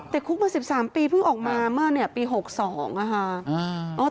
คุกมา๑๓ปีเพิ่งออกมาเมื่อปี๖๒ค่ะ